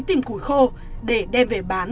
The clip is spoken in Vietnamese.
tìm củi khô để đem về bán